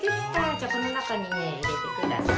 じゃあこのなかにねいれてください。